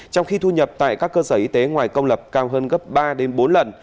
trong khi thu nhập tại các cơ sở y tế ngoài công lập cao hơn gấp ba đến bốn lần